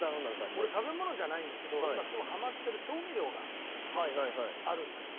俺食べ物じゃないんだけど今すごいハマってる調味料があるんだけど。